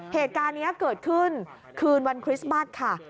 เหตุการณ์นี้เกิดขึ้นคืนวันคริสต์มัสค่ะ